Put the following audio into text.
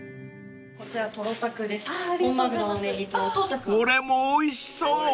［これもおいしそう！］